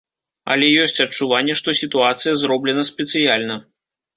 Але ёсць адчуванне, што сітуацыя зроблена спецыяльна.